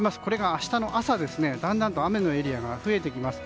明日の朝だんだんと雨のエリアが増えてきます。